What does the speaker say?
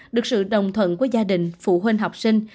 được sự đồng thuận của gia đình phụ huynh học sinh